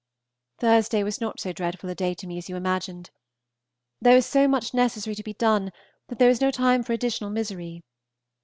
Thursday was not so dreadful a day to me as you imagined. There was so much necessary to be done that there was no time for additional misery.